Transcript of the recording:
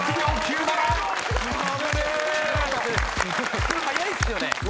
これ早いっすよね。